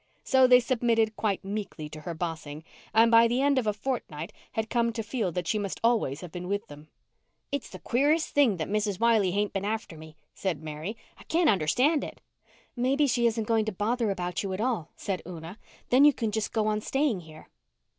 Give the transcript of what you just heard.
So they submitted quite meekly to her bossing, and by the end of a fortnight had come to feel that she must always have been with them. "It's the queerest thing that Mrs. Wiley hain't been after me," said Mary. "I can't understand it." "Maybe she isn't going to bother about you at all," said Una. "Then you can just go on staying here."